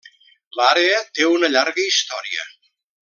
L'àrea té una llarga història.